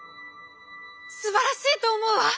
「すばらしいと思うわ！」。